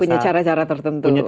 punya cara cara tertentu